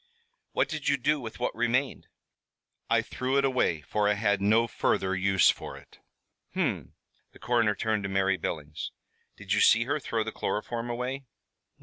"What did you do with what remained?" "I threw it away, for I had no further use for it." "Hum." The coroner turned to Mary Billings. "Did you see her throw the chloroform away?"